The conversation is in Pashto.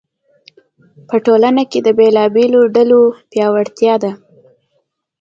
په ټولنه کې د بېلابېلو ډلو پیاوړتیا ده.